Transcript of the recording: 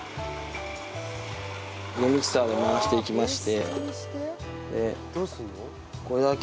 ミキサーを回していきまして。